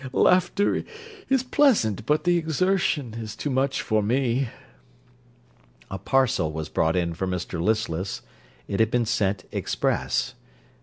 Laughter is pleasant, but the exertion is too much for me. A parcel was brought in for Mr Listless; it had been sent express.